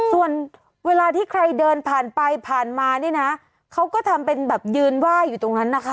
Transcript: ส่วนเวลาที่ใครเดินผ่านไปผ่านมานี่นะเขาก็ทำเป็นแบบยืนไหว้อยู่ตรงนั้นนะคะ